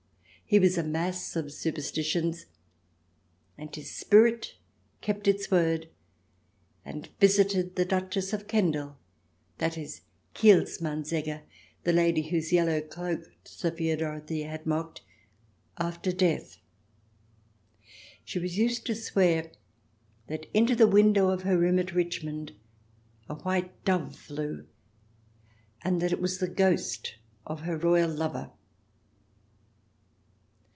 He was a mass of supersti tions, and his spirit kept its word and visited the Duchess of Kendal — i.e., Kielsmansegge, the lady whose yellow cloak Sophia Dorothea had mocked — after death. She was used to swear that into the window of her room at Richmond a white dove flew, and that it was the ghost of her royal lover.